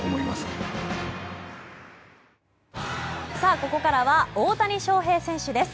ここからは大谷翔平選手です。